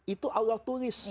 itu allah tulis